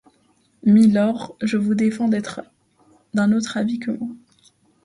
Mylords, je vous défends d’être d’un autre avis que moi.